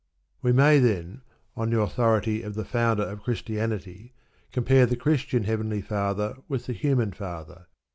We may, then, on the authority of the Founder of Christianity, compare the Christian Heavenly Father with the human father.